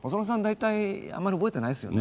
大体あんまり覚えてないですよね。